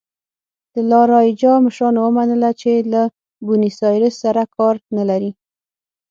د لا رایجا مشرانو ومنله چې له بونیسایرس سره کار نه لري.